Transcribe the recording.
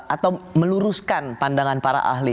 atau meluruskan pandangan para ahli